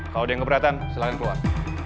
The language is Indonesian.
kalau ada yang keberatan silahkan keluar